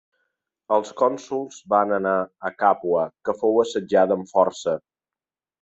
Els cònsols van anar a Càpua que fou assetjada amb força.